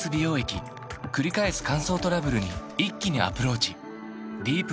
くり返す乾燥トラブルに一気にアプローチ